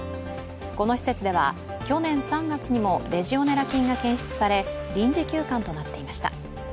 この施設では去年３月にもレジオネラ菌が検出され臨時休館となっていました。